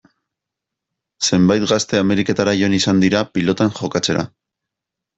Zenbait gazte Ameriketara joan izan dira pilotan jokatzera.